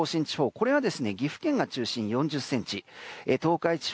これは岐阜県が中心に４０ｃｍ。